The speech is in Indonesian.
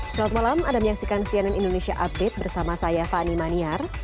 selamat malam anda menyaksikan cnn indonesia update bersama saya fani maniar